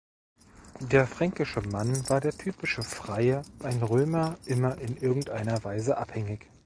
Der fränkische Mann war der typische „Freie“; ein Römer immer in irgendeiner Weise abhängig.